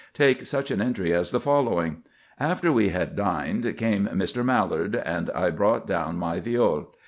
Take such an entry as the following: "After we had dined came Mr. Mallard, and I brought down my viol....